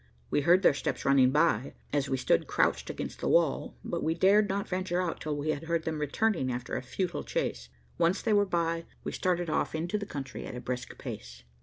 We heard their steps running by, as we stood crouched against the wall, but we dared not venture out till we had heard them returning after a futile chase. Once they were by, we started off into the country at a brisk pace.